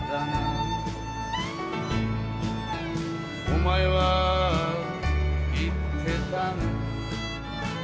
「お前は言ってたな」